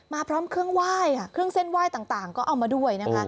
พร้อมเครื่องไหว้ค่ะเครื่องเส้นไหว้ต่างก็เอามาด้วยนะคะ